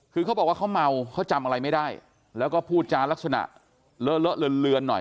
คือเขาบอกว่าเขาเมาเขาจำอะไรไม่ได้แล้วก็พูดจานลักษณะเลอะเลอะเลือนหน่อย